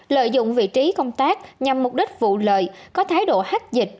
lợi dụng vị trí công tác nhằm mục đích vụ lợi có thái độ hách dịch